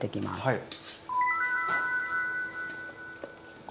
はい。